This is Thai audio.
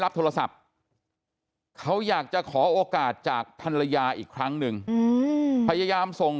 โทรศัพท์เขาอยากจะขอโอกาสจากภรรยาอีกครั้งหนึ่งพยายามส่ง